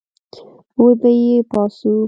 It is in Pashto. وبې يې باسو.